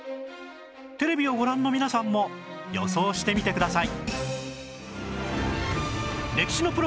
テレビをご覧の皆さんも予想してみてください